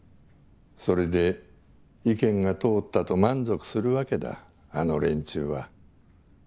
それで意見が通ったと満足するわけだあの連中は。